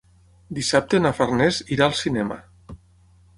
Dissabte na Farners irà al cinema.